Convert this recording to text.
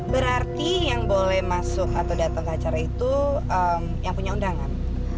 berarti yang boleh masuk atau datang ke acara itu yang punya undangan